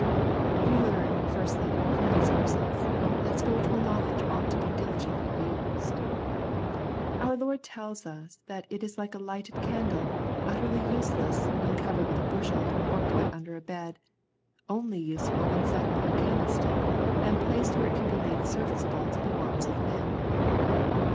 * We learn, firstly, from these verses, that spiritual knowledge oiight to be diligently used. Our Lord tells us that it is like a lighted candle, utterly useless, when covered with a bushel, or put under a bed, — only useful when set upon a candlestick, and placed where it can be made serviceable to the wants of men.